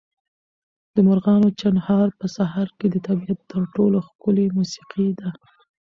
د مرغانو چڼهار په سهار کې د طبیعت تر ټولو ښکلې موسیقي ده.